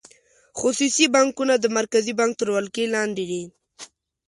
خصوصي بانکونه د مرکزي بانک تر ولکې لاندې دي.